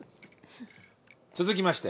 続きまして。